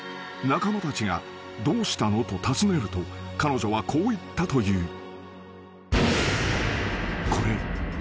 ［仲間たちが「どうしたの？」と尋ねると彼女はこう言ったという］